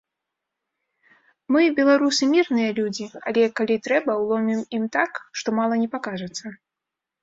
Мы, беларусы, мірныя людзі, але, калі трэба, уломім ім так, што мала не пакажацца.